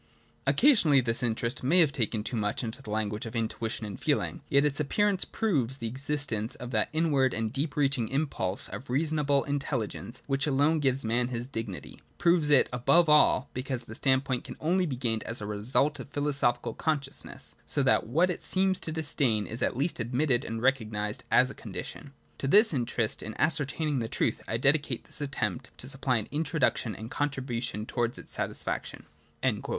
Occasionally this interest may have OF THE ENCYCLOPAEDIA. xvii taken too much to the language of intuition and feel ing; yet its appearance proves the existence of that inward and deeper reaching impulse of reasonable in telligence which alone gives man his dignity, — proves it above all, because that standpoint can only be gained as a result of philosophical consciousness ; so that what it seems to disdain is at least admitted and recognised as a condition. To this interest in ascertaining the truth I dedicate this attempt to supply an introduction and a contribution towards its satisfaction.'